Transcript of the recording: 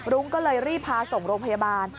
ก็เลยรีบพาส่งโรงพยาบาล